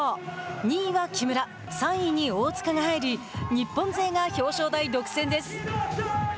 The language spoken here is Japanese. ２位は木村、３位に大塚が入り日本勢が表彰台独占です。